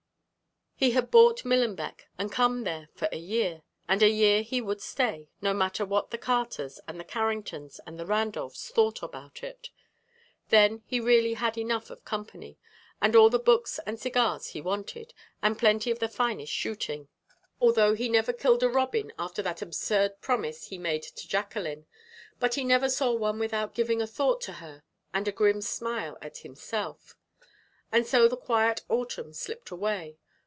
He had bought Millenbeck and come there for a year, and a year he would stay, no matter what the Carters and the Carringtons and the Randolphs thought about it. Then he really had enough of company, and all the books and cigars he wanted, and plenty of the finest shooting, although he never killed a robin after that absurd promise he made to Jacqueline, but he never saw one without giving a thought to her and a grim smile at himself. And so the quiet autumn slipped away.